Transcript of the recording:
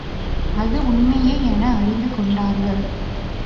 அது உண்மையே என அறிந்து கொண்டார்கள்.